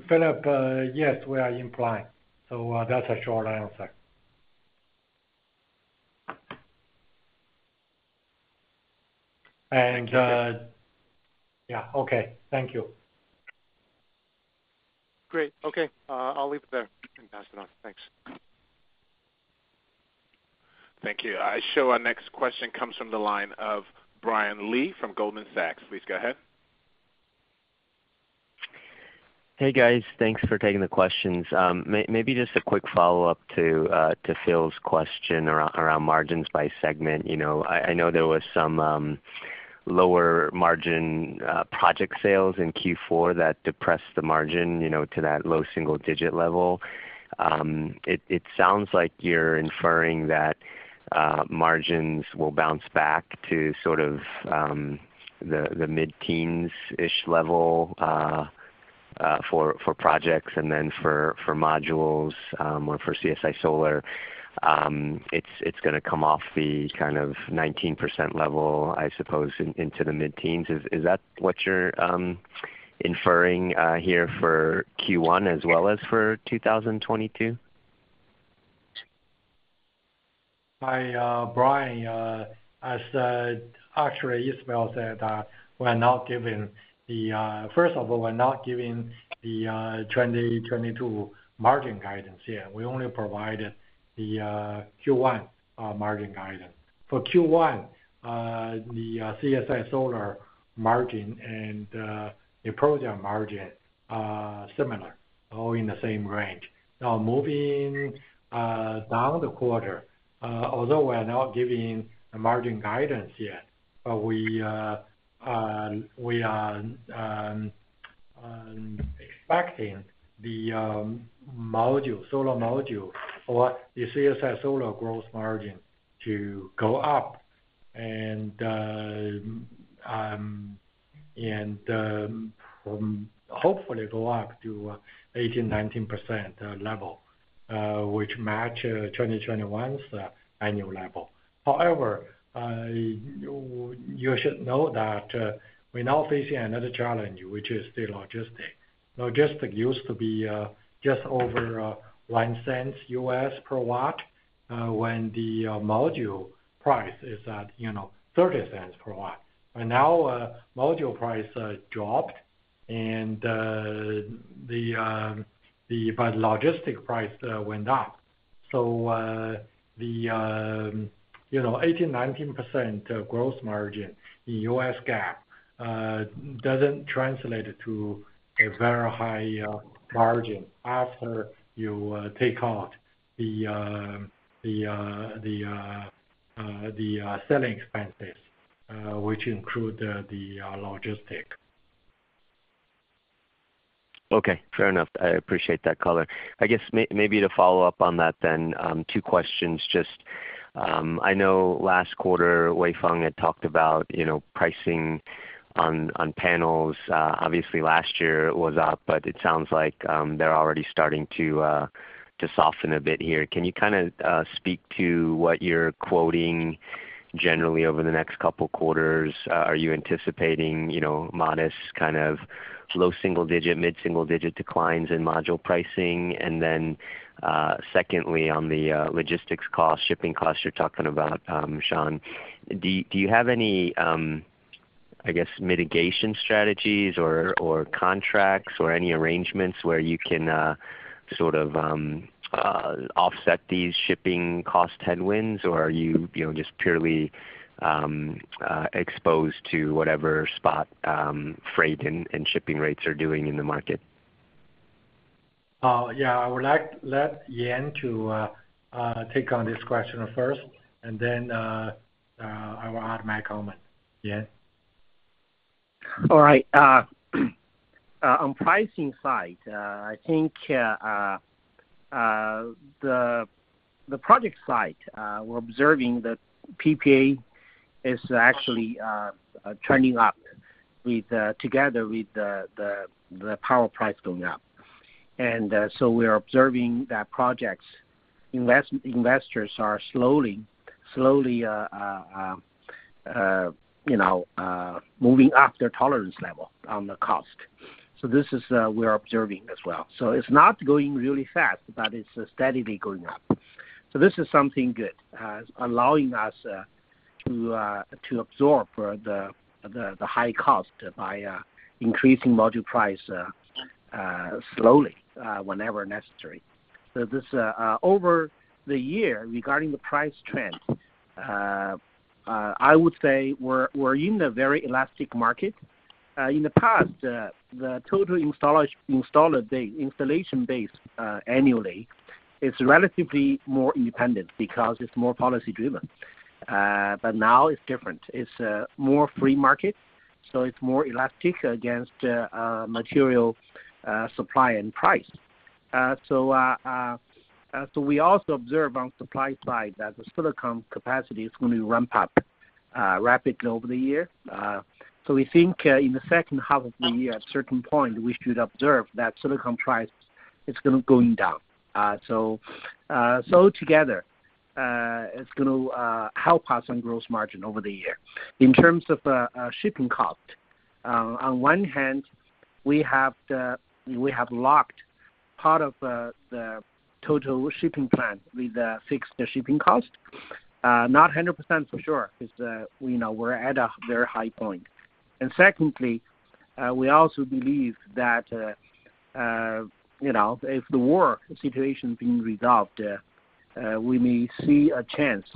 Philip, yes, we are in compliance, so that's a short answer. Yeah. Okay. Thank you. Great. Okay. I'll leave it there and pass it on. Thanks. Thank you. Our next question comes from the line of Brian Lee from Goldman Sachs. Please go ahead. Hey, guys. Thanks for taking the questions. Maybe just a quick follow-up to Phil's question around margins by segment. You know, I know there was some lower margin project sales in Q4 that depressed the margin, you know, to that low single digit level. It sounds like you're inferring that margins will bounce back to sort of the mid-teens-ish level for projects and then for modules or for CSI Solar. It's gonna come off the kind of 19% level, I suppose, into the mid-teens. Is that what you're inferring here for Q1 as well as for 2022? Hi, Brian. As actually Isabel said, first of all, we're not giving the 2022 margin guidance yet. We only provided the Q1 margin guidance. For Q1, the CSI Solar margin and the project margin are similar, all in the same range. Now, moving down the quarter, although we're not giving a margin guidance yet, but we are expecting the module, solar module for the CSI Solar gross margin to go up and hopefully go up to 18%-19% level, which match 2021's annual level. However, you should know that, we're now facing another challenge, which is the logistics. Logistics used to be just over $0.01 per watt when the module price is at, you know, $0.30 per watt. Now, module price dropped and the logistics price went up. You know, 18%-19% gross margin in U.S. GAAP doesn't translate to a very high margin after you take out the selling expenses, which include the logistics. Okay, fair enough. I appreciate that color. I guess maybe to follow-up on that then, two questions. Just, I know last quarter Huifeng had talked about, you know, pricing on panels. Obviously last year it was up, but it sounds like they're already starting to soften a bit here. Can you kinda speak to what you're quoting generally over the next couple quarters? Are you anticipating, you know, modest kind of low single digit, mid-single digit declines in module pricing? And then, secondly, on the logistics cost, shipping costs you're talking about, Shawn, do you have any, I guess, mitigation strategies or contracts or any arrangements where you can sort of offset these shipping cost headwinds? Are you know, just purely exposed to whatever spot freight and shipping rates are doing in the market? Yeah, I would like Yan to take on this question first and then I will add my comment. Yan? All right. On pricing side, I think the project side, we're observing the PPA is actually trending up together with the power price going up. We're observing that project investors are slowly you know moving up their tolerance level on the cost. This is something we are observing as well. It's not going really fast, but it's steadily going up. This is something good allowing us to absorb the high cost by increasing module price slowly whenever necessary. Over the year, regarding the price trend, I would say we're in a very elastic market. In the past, the total installation base annually is relatively more independent because it's more policy driven. Now it's different. It's more free market, so it's more elastic against material supply and price. We also observe on supply side that the silicon capacity is going to ramp up rapidly over the year. We think in the second half of the year, at certain point, we should observe that silicon price is gonna go down. Together, it's gonna help us on gross margin over the year. In terms of shipping cost, on one hand, we have locked part of the total shipping plan with the fixed shipping cost. Not 100% for sure 'cause, you know, we're at a very high point. Secondly, we also believe that, you know, if the war situation being resolved, we may see a chance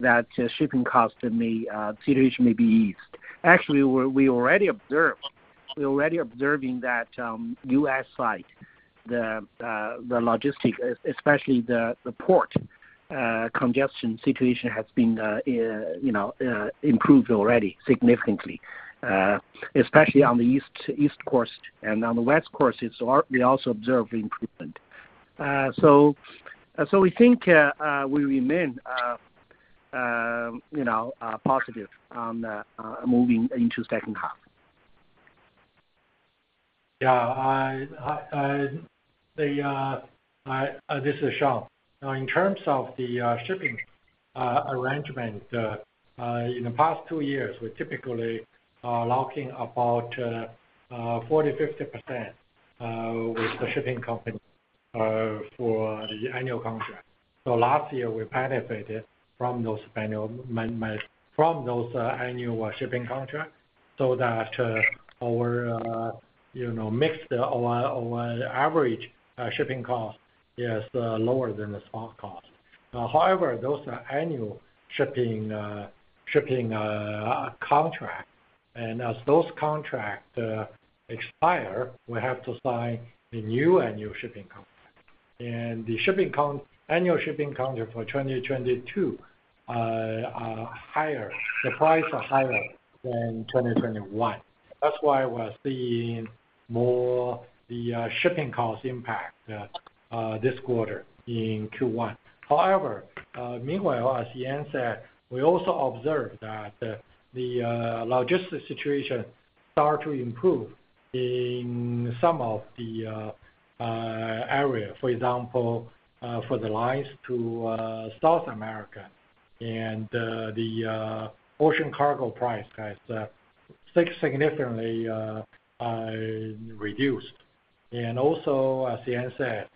that shipping cost situation may be eased. Actually, we're already observing that, on the U.S. side, the logistics, especially the port congestion situation has been improved already significantly, especially on the East Coast and on the West Coast we also observe the improvement. We think we remain, you know, positive on moving into second half. This is Shawn. Now, in terms of the shipping arrangement in the past two years, we're typically locking about 40%-50% with the shipping company for the annual contract. Last year, we benefited from those annual shipping contract so that our you know mixed or average shipping cost is lower than the spot cost. However, those are annual shipping contract. As those contract expire, we have to sign the new annual shipping contract. The annual shipping contract for 2022 are higher, the price are higher than 2021. That's why we're seeing more of the shipping cost impact this quarter in Q1. However, meanwhile, as Yan said, we also observed that the logistics situation start to improve in some of the area. For example, for the lines to South America and the ocean cargo price has significantly reduced. Also, as Yan said,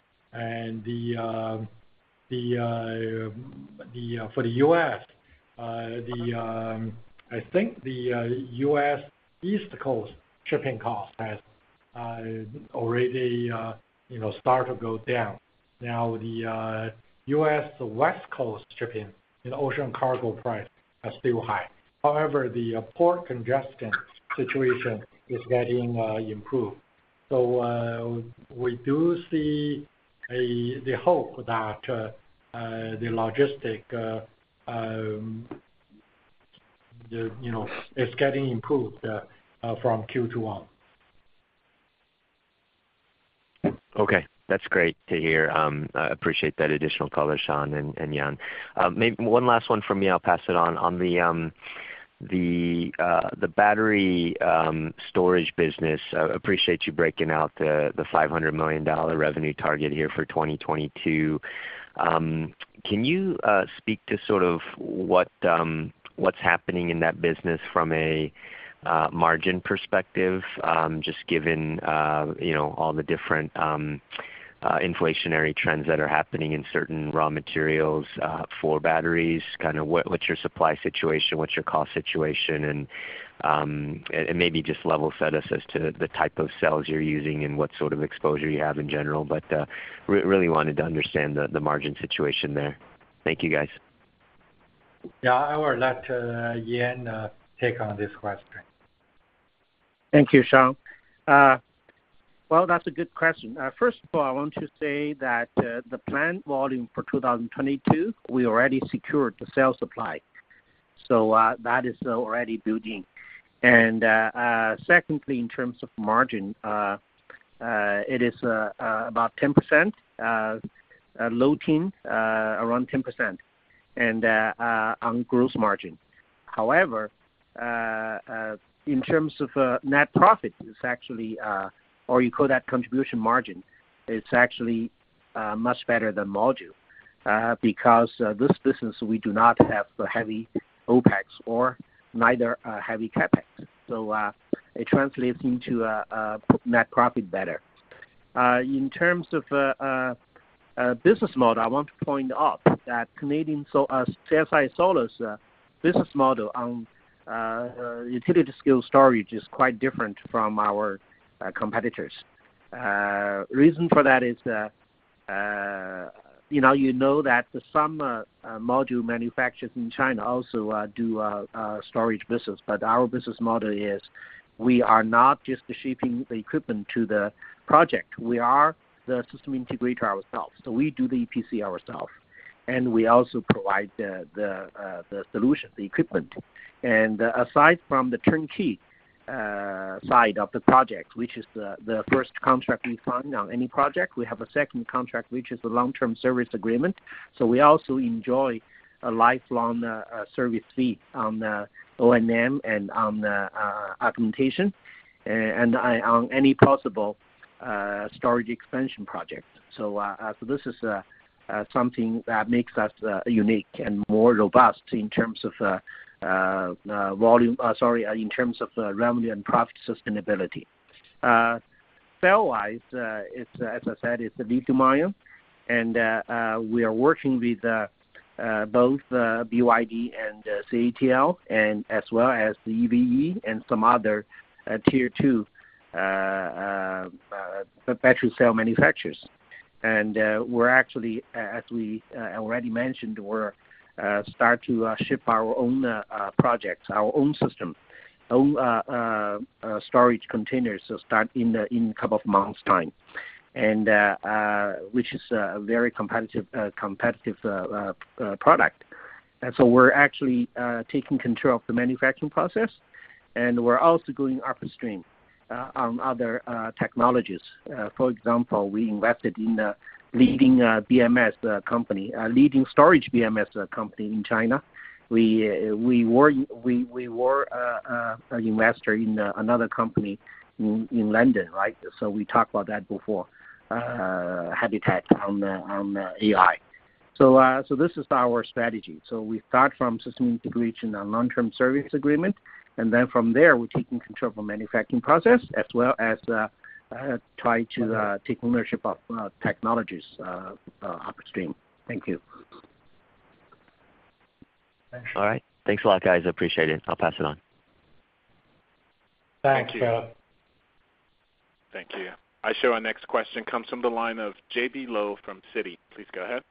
for the U.S., I think the U.S. East Coast shipping cost has already, you know, started to go down. Now the U.S. West Coast shipping and ocean cargo price are still high. However, the port congestion situation is getting improved. We do see the hope that the logistics You know, it's getting improved from Q2 on. Okay. That's great to hear. I appreciate that additional color, Shawn and Yan. My one last one from me, I'll pass it on. On the battery storage business, appreciate you breaking out the $500 million revenue target here for 2022. Can you speak to sort of what's happening in that business from a margin perspective, just given you know all the different inflationary trends that are happening in certain raw materials for batteries, kinda what's your supply situation? What's your cost situation? And maybe just level set us as to the type of cells you're using and what sort of exposure you have in general, but really wanted to understand the margin situation there. Thank you, guys. Yeah, I will let Yan take on this question. Thank you, Shawn. Well, that's a good question. First of all, I want to say that the planned volume for 2022, we already secured the cell supply. That is already building. Secondly, in terms of margin, it is about 10%, low teens, around 10% on gross margin. However, in terms of net profit, it's actually, or you call that contribution margin, it's actually much better than module because this business we do not have the heavy OpEx or neither heavy CapEx. It translates into net profit better. In terms of a business model, I want to point out that Canadian Solar, CSI Solar's business model on utility scale storage is quite different from our competitors. Reason for that is that you know that some module manufacturers in China also do storage business, but our business model is we are not just shipping the equipment to the project. We are the system integrator ourselves, so we do the EPC ourself, and we also provide the solution, the equipment. Aside from the turnkey side of the project, which is the first contract we sign on any project, we have a second contract which is the long-term service agreement. We also enjoy a lifelong service fee on the O&M and on the augmentation and on any possible storage expansion project. This is something that makes us unique and more robust in terms of the revenue and profit sustainability. Cell-wise, it's the lithium ion and we are working with both BYD and CATL and as well as EVE and some other tier two battery cell manufacturers. As we already mentioned, we're starting to ship our own projects, our own system, own storage containers starting in a couple of months' time. Which is a very competitive product. We're actually taking control of the manufacturing process, and we're also going upstream on other technologies. For example, we invested in a leading BMS company, a leading storage BMS company in China. We were an investor in another company in London, right? We talked about that before, Habitat on AI. This is our strategy. We start from system integration and long-term service agreement, and then from there, we're taking control of the manufacturing process as well as try to take ownership of technologies upstream. Thank you. All right. Thanks a lot, guys. I appreciate it. I'll pass it on. Thanks. Thank you. Thank you. Our next question comes from the line of J.B. Lowe from Citi. Please go ahead.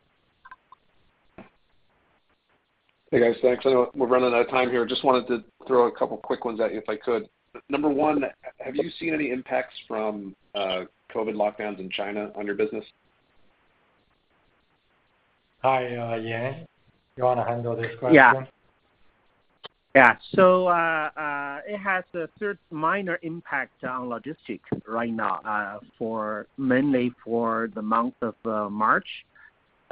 Hey, guys. Thanks. I know we're running out of time here. Just wanted to throw a couple quick ones at you, if I could. Number one, have you seen any impacts from COVID lockdowns in China on your business? Hi, Yan, you wanna handle this question? Yeah. It has a certain minor impact on logistics right now, for mainly for the month of March.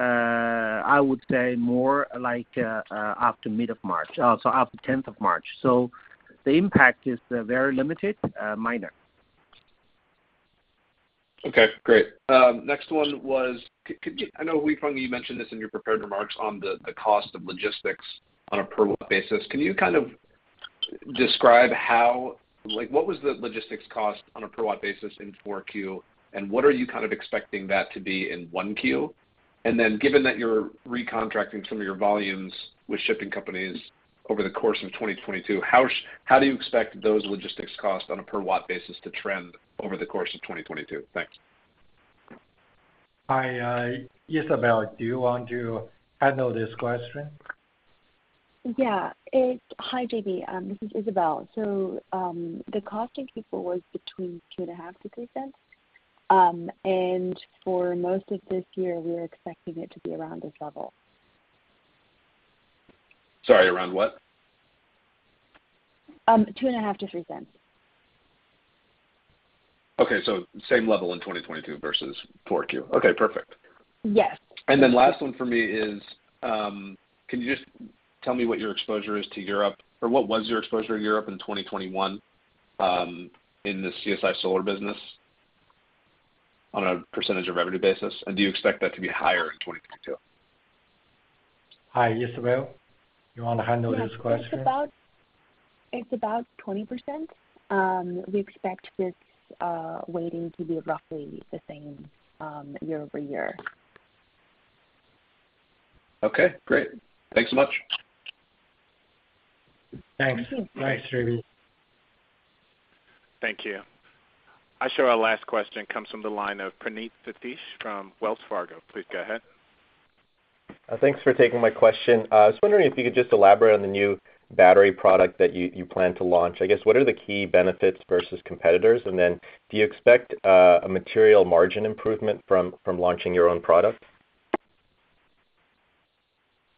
I would say more like after mid of March, so after tenth of March. The impact is very limited, minor. Okay, great. Next one was I know Huifeng, you mentioned this in your prepared remarks on the cost of logistics on a per watt basis. Can you kind of describe how, like what was the logistics cost on a per watt basis in 4Q, and what are you kind of expecting that to be in 1Q? Given that you're recontracting some of your volumes with shipping companies over the course of 2022, how do you expect those logistics costs on a per watt basis to trend over the course of 2022? Thanks. Hi, Isabel, do you want to handle this question? Hi, J.B., this is Isabel. The cost in Q4 was between $0.025-$0.03. For most of this year, we're expecting it to be around this level. Sorry, around what? Um, $2.5 to $0.03. Okay. Same level in 2022 versus Q4. Okay, perfect. Yes. Last one for me is, can you just tell me what your exposure is to Europe or what was your exposure to Europe in 2021, in the CSI Solar business on a percentage of revenue basis? Do you expect that to be higher in 2022? Hi, Isabel. You want to handle this question? Yeah. It's about 20%. We expect this weighting to be roughly the same year-over-year. Okay, great. Thanks so much. Thanks. Thanks, J.B. Thank you. I show our last question comes from the line of Praneeth Satish from Wells Fargo. Please go ahead. Thanks for taking my question. I was wondering if you could just elaborate on the new battery product that you plan to launch. I guess, what are the key benefits versus competitors? Then do you expect a material margin improvement from launching your own product?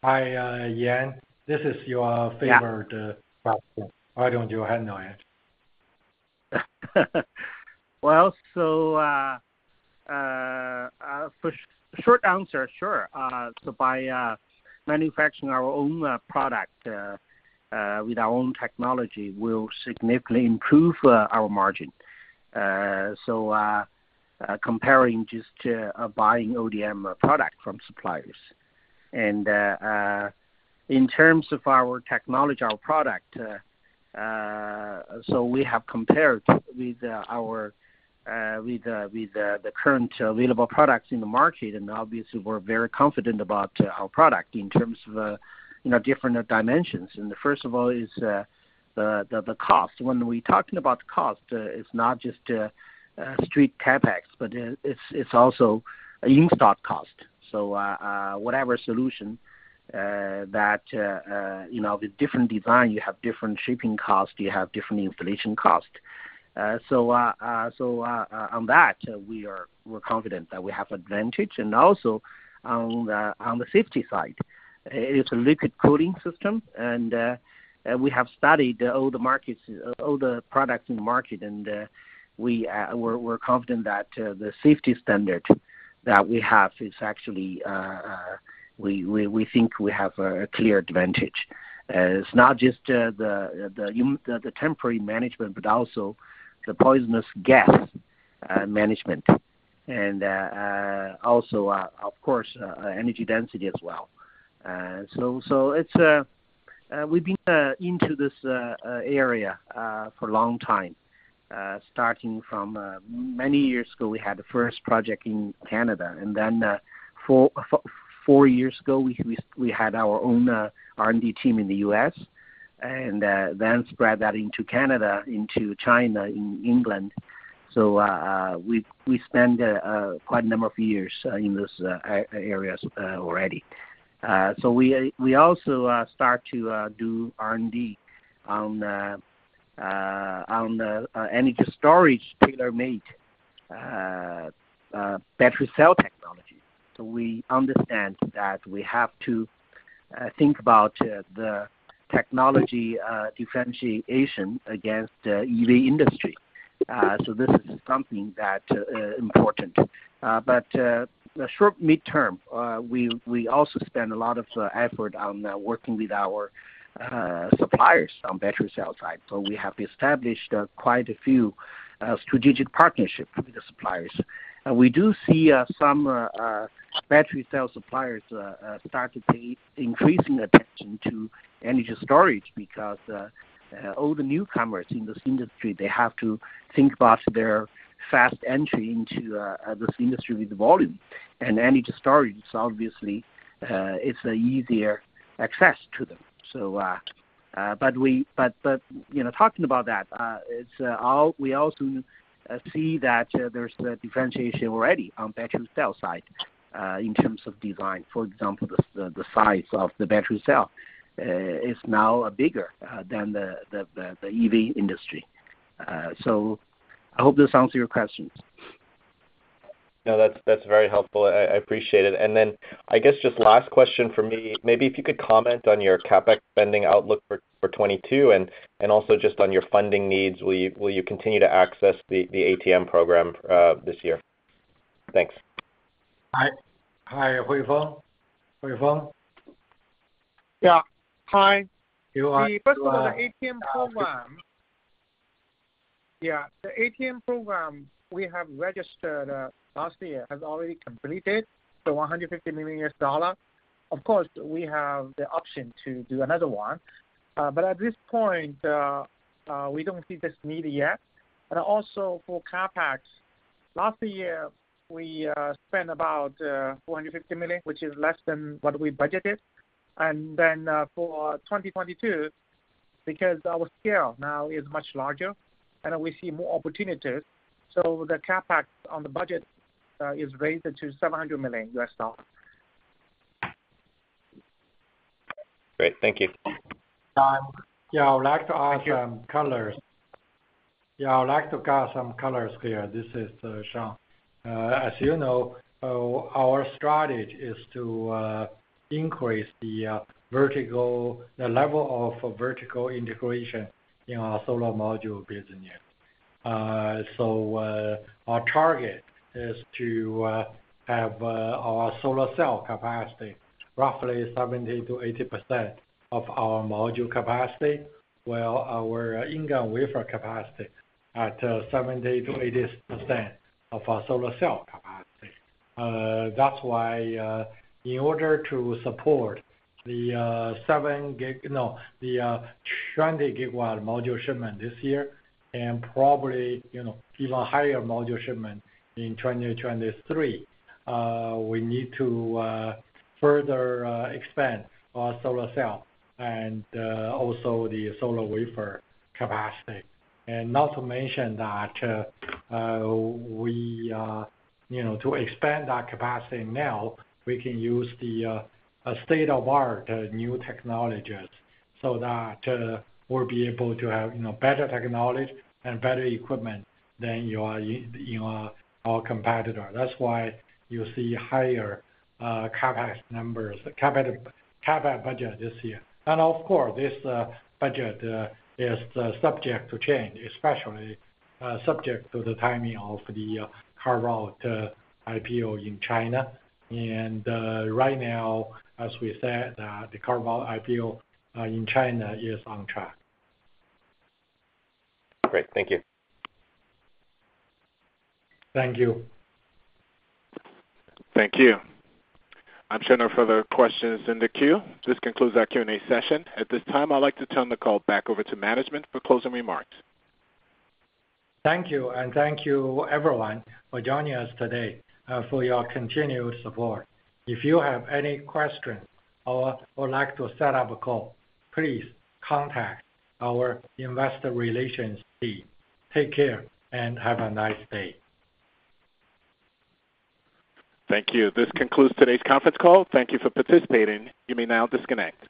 Hi, Yan. This is your- Yeah. My favorite question. Why don't you handle it? Well, for short answer, sure. By manufacturing our own product with our own technology will significantly improve our margin, comparing just to buying ODM product from suppliers. In terms of our technology, our product, we have compared with the current available products in the market, and obviously we're very confident about our product in terms of, you know, different dimensions. First of all is the cost. When we're talking about cost, it's not just strict CapEx, but it's also installed cost. Whatever solution that you know with different design, you have different shipping cost, you have different installation cost. On that, we're confident that we have advantage. Also on the safety side, it's a liquid cooling system. We have studied all the markets, all the products in the market, and we're confident that the safety standard that we have is actually we think we have a clear advantage. It's not just the thermal management, but also the poisonous gas management. Also, of course, energy density as well. We've been into this area for a long time, starting from many years ago, we had the first project in Canada. Four years ago, we had our own R&D team in the U.S. and spread that into Canada, into China, in England. We spend quite a number of years in those areas already. We also start to do R&D on the energy storage tailor-made battery cell technology. We understand that we have to think about the technology differentiation against the EV industry. This is something that's important. In the short- and midterm, we also spend a lot of effort on working with our suppliers on battery cell side. We have established quite a few strategic partnership with the suppliers. We do see some battery cell suppliers start to pay increasing attention to energy storage because all the newcomers in this industry, they have to think about their fast entry into this industry with volume. Energy storage, obviously, it's easier access to them. But you know, talking about that, we also see that there's a differentiation already on battery cell side in terms of design. For example, the size of the battery cell is now bigger than the EV industry. I hope this answer your questions. No, that's very helpful. I appreciate it. Then I guess just last question for me, maybe if you could comment on your CapEx spending outlook for 2022 and also just on your funding needs. Will you continue to access the ATM program this year? Thanks. Hi. Hi, Huifeng. Huifeng? Yeah. Hi. You are- The first one on the ATM program. Yeah. The ATM program we have registered last year has already completed, so $150 million. Of course, we have the option to do another one. At this point, we don't see this need yet. Also for CapEx, last year, we spent about $450 million, which is less than what we budgeted. For 2022, because our scale now is much larger and we see more opportunities, the CapEx on the budget is raised to $700 million. Great. Thank you. Yeah, I would like to add some colors here. This is Shawn. As you know, our strategy is to increase the level of vertical integration in our solar module business. Our target is to have our solar cell capacity roughly 70%-80% of our module capacity, while our ingot wafer capacity at 70%-80% of our solar cell capacity. That's why, in order to support the 20 GW module shipment this year and probably, you know, even higher module shipment in 2023, we need to further expand our solar cell and also the solar wafer capacity. Not to mention that, we are, you know, to expand our capacity now, we can use the state-of-the-art new technologies so that, we'll be able to have, you know, better technology and better equipment than your competitor. That's why you see higher CapEx numbers, capital CapEx budget this year. Of course, this budget is subject to change, especially subject to the timing of the carve-out IPO in China. Right now, as we said, the carve-out IPO in China is on track. Great. Thank you. Thank you. Thank you. I'm showing no further questions in the queue. This concludes our Q&A session. At this time, I'd like to turn the call back over to management for closing remarks. Thank you. Thank you everyone for joining us today, for your continued support. If you have any questions or would like to set up a call, please contact our investor relations team. Take care, and have a nice day. Thank you. This concludes today's conference call. Thank you for participating. You may now disconnect.